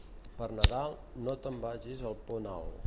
Per Nadal, no te'n vagis al Pont Alt.